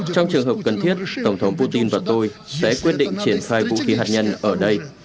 trong trường hợp cần thiết tổng thống putin và tôi sẽ quyết định triển khai vũ khí hạt nhân ở đây